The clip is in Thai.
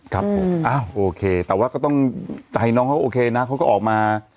ครับผมอ้าวโอเคแต่ว่าก็ต้องใจน้องเขาโอเคนะเขาก็ออกมา